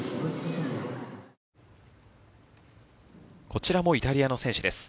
こちらもイタリアの選手です。